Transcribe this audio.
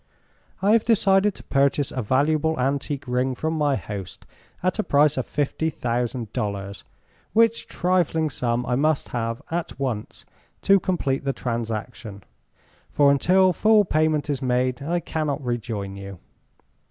"I have decided to purchase a valuable antique ring from my host, at a price of fifty thousand dollars, which trifling sum I must have at once to complete the transaction, for until full payment is made I cannot rejoin you.